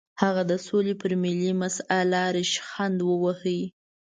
هغه د سولې پر ملي مسله ریشخند وواهه.